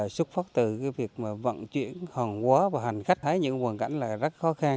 xuất phát từ việc vận chuyển hòn quá và hành khách thấy những hoàn cảnh rất khó khăn